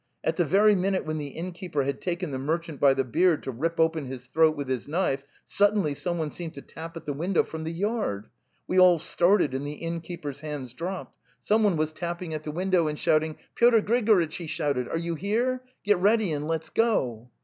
... At the very min ute when the innkeeper had taken the merchant by the beard to rip open his throat with his knife sud denly someone seemed to tap at the window from the yard! We all started, and the innkeeper's hands dropped. ... Someone was tapping at the window The Steppe 252 and shouting: ' Pyotr Grigoritch,' he shouted, ' are you here? Get ready and let's go!